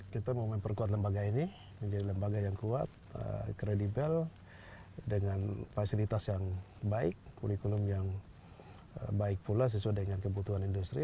kita mau memperkuat lembaga ini menjadi lembaga yang kuat kredibel dengan fasilitas yang baik kurikulum yang baik pula sesuai dengan kebutuhan industri